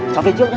cháu về trước nhá